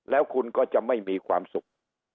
แล้วคุณก็จะไม่มีความสุข